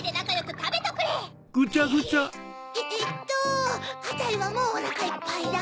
えっとあたいはもうおなかいっぱいだ。